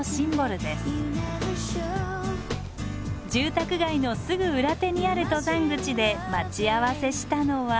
住宅街のすぐ裏手にある登山口で待ち合わせしたのは。